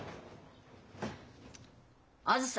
あづさ！